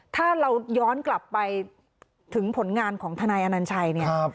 ถ้าเราย้อนกลับไปถึงผลงานของทนายอนัญชัยเนี่ย